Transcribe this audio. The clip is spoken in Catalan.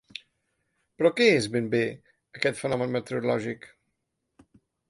Però què és ben bé aquest fenomen meteorològic?